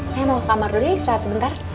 saya mau ke kamar dulu istirahat sebentar